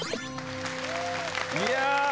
いや